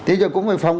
thế giờ cũng phải phòng